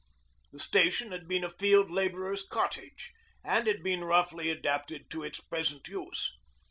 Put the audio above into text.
The station had been a field labourer's cottage, and had been roughly adapted to its present use.